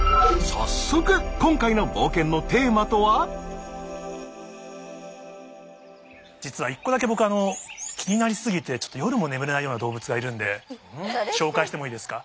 早速今回の実は１個だけ僕気になり過ぎてちょっと夜も眠れないような動物がいるんで紹介してもいいですか？